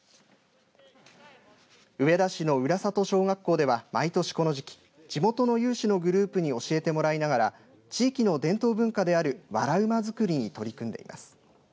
上田市の浦里小学校では毎年この時期地元の有志のグループに教えてもらいながら地域の伝統文化であるわら馬作りに取り組んでいます。